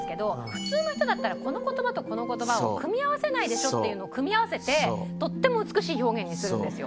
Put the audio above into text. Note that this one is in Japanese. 普通の人だったらこの言葉とこの言葉を組み合わせないでしょっていうのを組み合わせてとっても美しい表現にするんですよ。